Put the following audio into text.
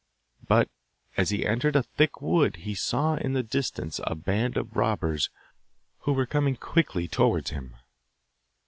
But as he entered a thick wood he saw in the distance a band of robbers who were coming quickly towards him.